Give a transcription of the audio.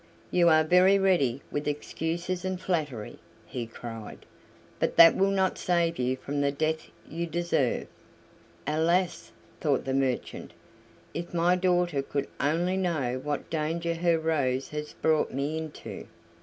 "You are very ready with excuses and flattery," he cried; "but that will not save you from the death you deserve." "Alas!" thought the merchant, "if my daughter could only know what danger her rose has brought me into!"